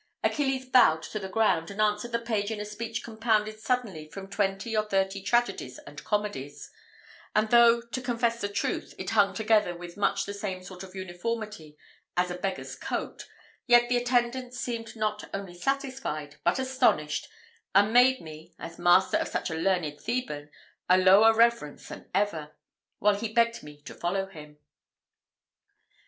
Achilles bowed to the ground, and answered the page in a speech compounded suddenly from twenty or thirty tragedies and comedies; and though, to confess the truth, it hung together with much the same sort of uniformity as a beggar's coat, yet the attendant seemed not only satisfied, but astonished, and made me, as master of such a learned Theban, a lower reverence than ever, while he begged me to follow him.